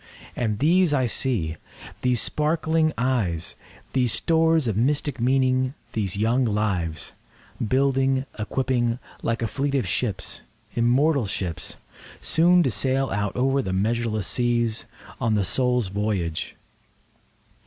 And these I see—these sparkling eyes, These stores of mystic meaning—these young lives, Building, equipping, like a fleet of ships—immortal ships! Soon to sail out over the measureless seas, On the Soul's voyage.